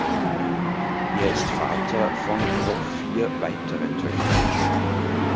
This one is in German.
Er ist Vater von noch vier weiteren Töchter.